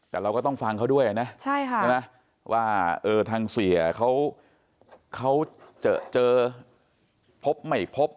แต่เราก็ต้องฟังเขาด้วยนะใช่ไหมว่าทางเสียเขาเจอพบไม่พบ